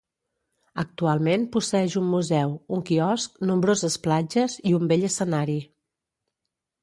Actualment posseeix un museu, un quiosc, nombroses platges i un bell escenari.